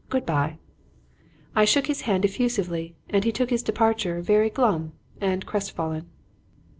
Good bye!' I shook his hand effusively and he took his departure very glum and crestfallen.